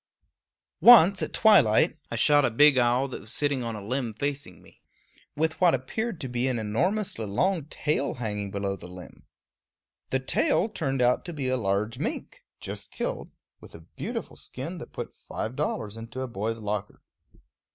Once, at twilight, I shot a big owl that was sitting on a limb facing me, with what appeared to be an enormously long tail hanging below the limb. The tail turned out to be a large mink, just killed, with a beautiful skin that put five dollars into a boy's locker.